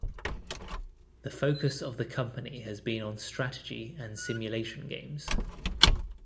The focus of the company has been on strategy and simulation games.